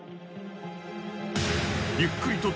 ［ゆっくりと］